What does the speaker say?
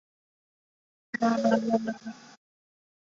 傅山头脑是山西太原特有的一种汤状食品。